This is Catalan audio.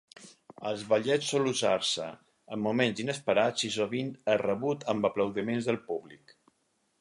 Als ballets sol usar-se en moments inesperats i sovint és rebut amb aplaudiments del públic.